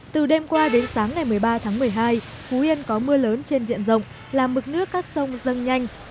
từ đêm qua đến sáng ngày một mươi ba tháng một mươi hai phú yên có mưa lớn trên diện rộng làm mực nước các sông dâng nhanh